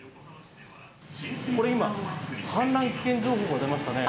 これ今、氾濫危険情報が出ましたね。